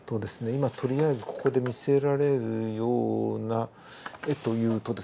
今とりあえずここで見せられるような絵というとですね